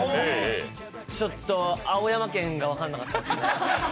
ちょっと、青山県が分からなかった。